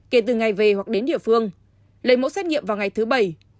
kể từ ngày về hoặc đến địa phương lấy mẫu xét nghiệm vào ngày thứ bảy